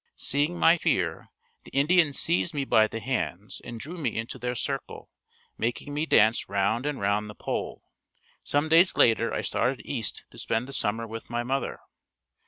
Seeing my fear the Indians seized me by the hands and drew me into their circle, making me dance round and round the pole. Some days later I started east to spend the summer with my mother.